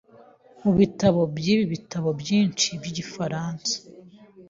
Mubitabo byibitabo byinshi byigifaransa.